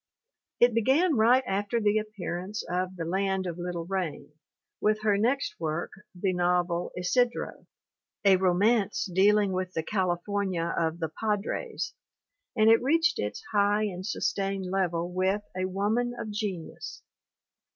It began right after the appearance of The Land of Little Rain with her next work, the novel Isidro, a romance dealing with the California of the padres, and it reached its high and sustained level with A Woman of Genius.